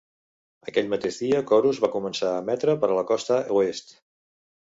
Aquell mateix dia, Corus va començar a emetre per a la costa oest.